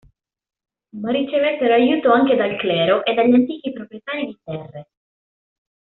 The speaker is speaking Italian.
Ma ricevettero aiuto anche dal clero e dagli antichi proprietari di terre.